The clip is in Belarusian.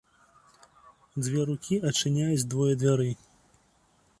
Дзве рукі адчыняюць двое дзвярэй.